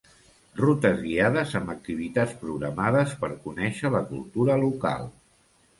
Rutes guiades amb activitats programades per conèixer la cultura local.